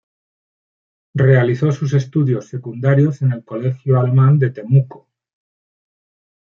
Realizó sus estudios secundarios en el Colegio Alemán de Temuco.